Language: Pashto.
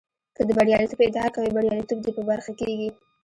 که د برياليتوب ادعا کوې برياليتوب دې په برخه کېږي.